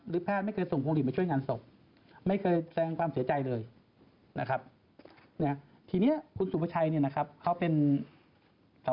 หรือภาษาผู้ดังข้าง